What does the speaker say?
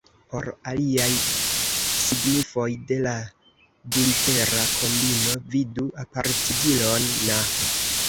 Por aliaj signifoj de la dulitera kombino vidu apartigilon Na".